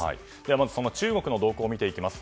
まずは中国の動向を見ていきます。